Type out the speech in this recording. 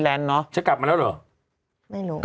ถ้าใช้คำว่าหนูอะ